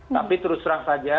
tapi terus terang saja